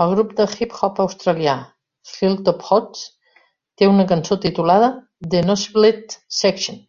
El grup de hip-hop australià Hilltop Hoods té una cançó titulada "The Nosebleed Section".